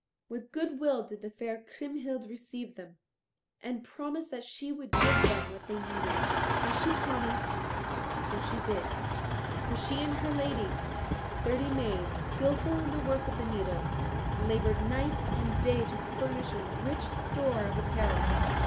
With good will did the fair Kriemhild receive them, and promised that she would give them what they needed. As she promised, so she did; for she and her ladies, thirty maids skilful in the work of the needle, laboured night and day to furnish a rich store of apparel.